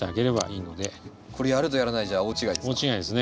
これやるとやらないじゃ大違いですか？